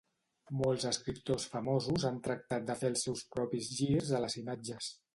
Molts escriptors famosos han tractat de fer els seus propis girs a les imatges.